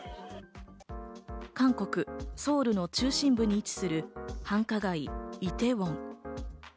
韓国ソウルの中心部に位置する繁華街イテウォン。